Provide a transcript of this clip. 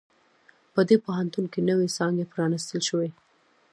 په دې پوهنتون کې نوی څانګي پرانیستل شوي